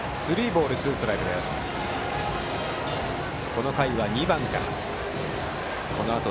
この回は２番からの攻撃。